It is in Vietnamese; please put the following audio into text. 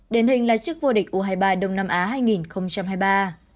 đến hình là chiếc vua địch u hai mươi ba đông nam á hai nghìn hai mươi ba